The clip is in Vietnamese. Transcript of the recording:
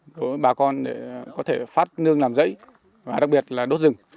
đối với bà con để có thể phát nương làm rẫy và đặc biệt là đốt rừng